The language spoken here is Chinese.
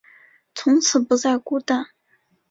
从此不再孤单